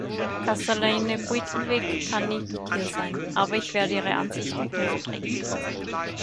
Kathalijne Buitenweg kann nicht hier sein, aber ich werde ihre Ansichten hier vertreten.